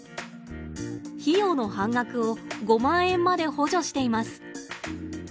費用の半額を５万円まで補助しています。